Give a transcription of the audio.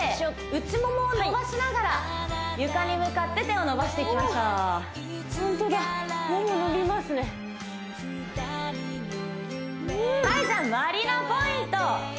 内モモを伸ばしながら床に向かって手を伸ばしていきましょうホントだモモ伸びますねはいじゃまりなポイント